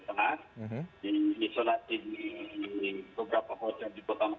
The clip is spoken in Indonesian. diantaranya dengan memutus masalah kepenularan dengan melakukan isolasi terhadap seluruh kasus